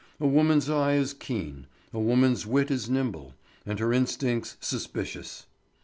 A woman's eye is keen, a woman's wit is nimble, and her instincts suspicious.